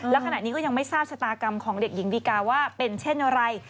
และขณะนี้ก็ยังไม่ทราบชะตากรรมของเด็กหญิงดีกาว่าเป็นเช่นอะไร